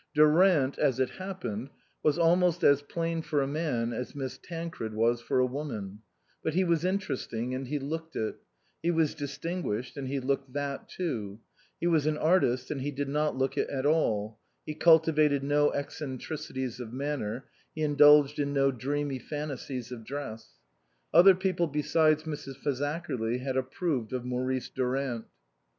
Durant, as it happened, was almost as plain for a man as Miss Tancred was for a woman ; but he was interesting, and he looked it ; he was distinguished, and he looked that too ; he was an artist, and he did not look it at all ; he cultivated no eccentricities of manner, he indulged in no dreamy fantasies of dress. Other people besides Mrs. Fazakerly had approved of Maurice Durant.